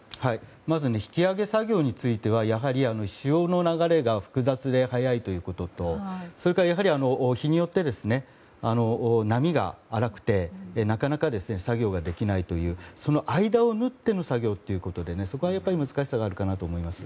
まず引き揚げ作業については、潮の流れが複雑で速いということとそれから日によって、波が荒くてなかなか作業ができないというその間を縫っての作業ということでそこがやっぱり難しさがあるかなと思います。